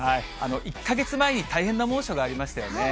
１か月前に大変な猛暑がありましたよね。